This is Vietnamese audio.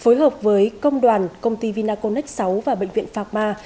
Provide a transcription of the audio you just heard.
phối hợp với công đoàn công ty vinacon x sáu và bệnh viện phạc ma